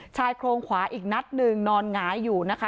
ชายโครงขวาอีกนัดหนึ่งนอนหงายอยู่นะคะ